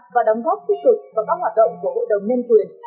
và đóng góp tích cực vào các hoạt động của hội đồng nhân quyền